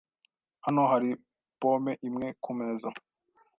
Hano hari pome imwe kumeza .